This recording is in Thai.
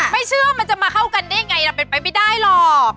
ไม่เชื่อมันจะมาเข้ากันได้ไงนะไปไม่ได้หรอก